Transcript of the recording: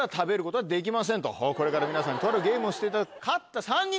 これから皆さんにとあるゲームをしていただき。